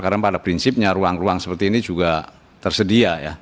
karena pada prinsipnya ruang ruang seperti ini juga tersedia ya